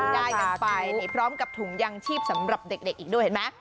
จะถ่ายกันไปนิดพร้อมกับถุงยางชีย์สำหรับเด็กเด็กอีกด้วยเห็นมั้ย